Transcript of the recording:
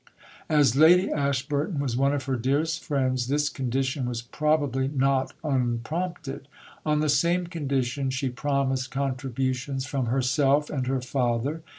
As Lady Ashburton was one of her dearest friends, this condition was probably not unprompted. On the same condition, she promised contributions from herself and her father.